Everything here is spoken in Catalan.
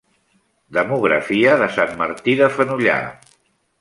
Demografia de Sant Martí de Fenollar.